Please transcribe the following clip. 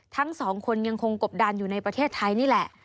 ทั้งสองคนยังคงกบดันอยู่ในประเทศไทยนี่แหละ